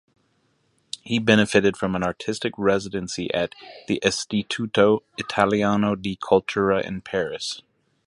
He benefited from an artistic residency at the Istituto Italiano di Cultura in Paris.